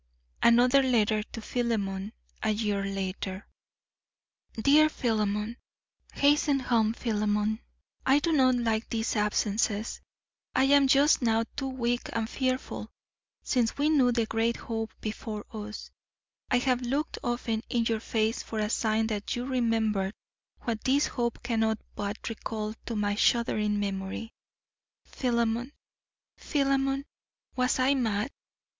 Another letter to Philemon, a year later: DEAR PHILEMON: Hasten home, Philemon; I do not like these absences. I am just now too weak and fearful. Since we knew the great hope before us, I have looked often in your face for a sign that you remembered what this hope cannot but recall to my shuddering memory. Philemon, Philemon, was I mad?